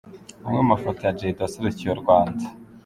Amwe mu mafoto ya Jay D waserukiye u Rwanda.